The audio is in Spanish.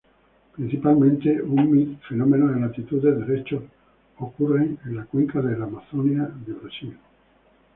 Principalmente un mid-fenómeno de latitudes, derechos ocurren en la Cuenca de Amazona de Brasil.